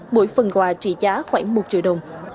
mỗi phần quà trị giá khoảng một triệu đồng